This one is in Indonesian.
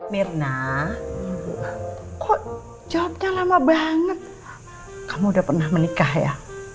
mirna kok jawabnya lama banget kamu udah pernah menikah ya